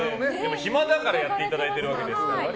暇だからやっていただけているわけですから。